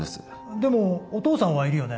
でもお父さんはいるよね？